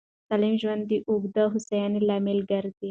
سالم ژوند د اوږدې هوساینې لامل ګرځي.